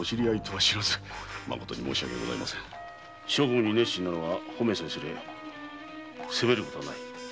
職務に熱心なのは褒めさえすれ責めることはない。